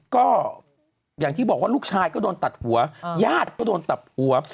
ก็อย่างที่บอกว่าลูกชายก็โดนตัดหัวญาติก็โดนตัดหัว